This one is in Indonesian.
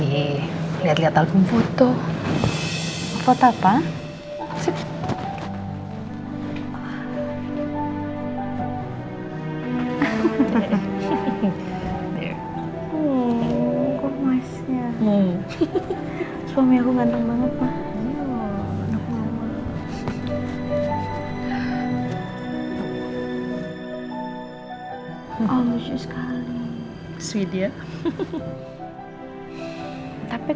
itu aku lah